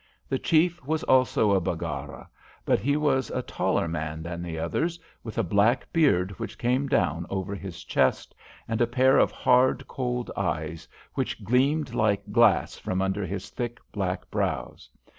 The chief was also a Baggara, but he was a taller man than the others, with a black beard which came down over his chest, and a pair of hard, cold eyes, which gleamed like glass from under his thick, black brows.